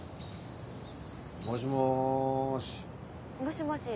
もしもし。